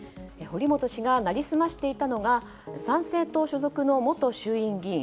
堀本氏が成り済ましていたのが参政党所属の元衆院議員